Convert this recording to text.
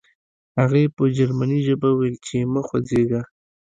هغې په جرمني ژبه وویل چې مه خوځېږه